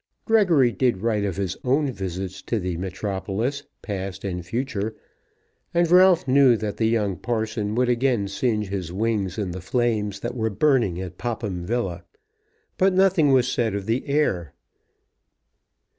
Gregory did write of his own visits to the metropolis, past and future, and Ralph knew that the young parson would again singe his wings in the flames that were burning at Popham Villa; but nothing was said of the heir.